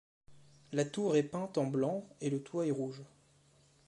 La tour est peinte en blanc et le toit est rouge.